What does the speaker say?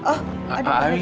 aduh aduh aduh